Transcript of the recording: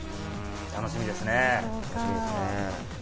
楽しみですね。